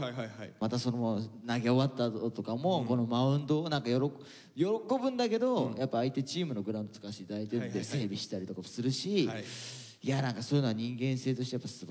またその投げ終わったあととかもこのマウンドを何か喜ぶんだけどやっぱ相手チームのグラウンド使わせて頂いてるんで整備したりとかするしそういうのは何か人間性としてすばらしいなと思って。